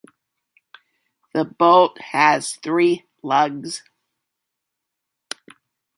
The bolt has three lugs.